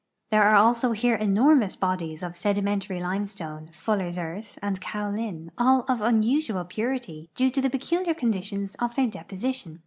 There are also here enormous bodies of sedimentary limestone, fuller'.s earth, and kaolin, all of unusual j)urity, due te the peculiar conditions of their deposition.